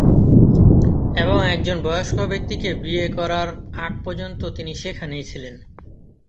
এবং একজন বয়স্ক ব্যক্তিকে বিয়ের করার আগপর্যন্ত তিনি সেখানেই ছিলেন।